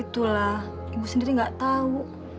itulah ibu sendiri nggak tahu